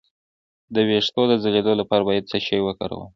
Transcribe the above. د ویښتو د ځلیدو لپاره باید څه شی وکاروم؟